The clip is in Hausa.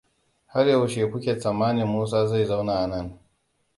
Har yaushe kuke tsammanin Musa zai zauna anan?